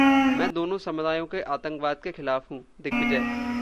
मैं दोनों समुदायों के आतंकवाद के खिलाफ हूं: दिग्विजय